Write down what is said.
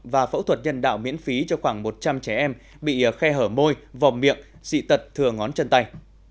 và phẫu thuật nhân đạo miễn phí cho khoảng một trăm linh trẻ em bị khe hở môi vòm miệng dị tật thừa ngón chân tay